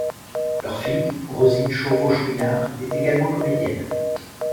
Leur fille, Rosine Chauveau-Chouinard, est également comédienne.